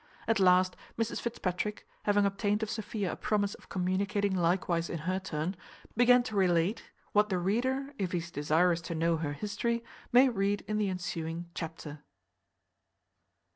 At last Mrs Fitzpatrick, having obtained of Sophia a promise of communicating likewise in her turn, began to relate what the reader, if he is desirous to know her history, may read in the ensuing chapter.